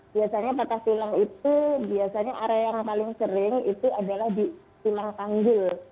biasanya patah tulang itu biasanya area yang paling sering itu adalah di silang panggil